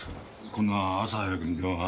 こんな朝早くに電話。